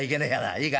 いいか？